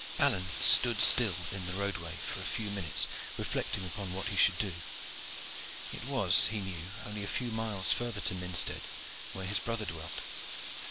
Alleyne stood still in the roadway for a few minutes reflecting upon what he should do. It was, he knew, only a few miles further to Minstead, where his brother dwelt.